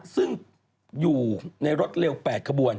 ซึ่งอยู่ในรถเร็ว๘ขบวน